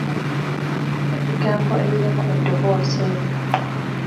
Ebigambo ebirimu eddoboozi eryo.